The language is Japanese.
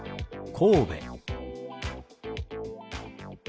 神戸。